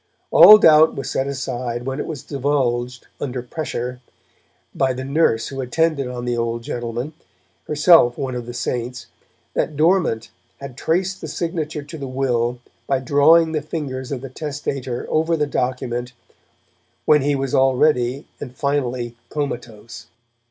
All doubt was set aside when it was divulged, under pressure, by the nurse who attended on the old gentleman, herself one of the 'saints', that Dormant had traced the signature to the will by drawing the fingers of the testator over the document when he was already and finally comatose.